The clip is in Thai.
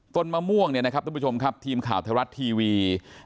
มะม่วงเนี่ยนะครับทุกผู้ชมครับทีมข่าวไทยรัฐทีวี